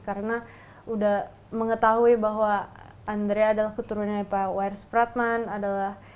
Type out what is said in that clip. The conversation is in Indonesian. karena udah mengetahui bahwa andrea adalah keturunannya pak wage rudolf supratman adalah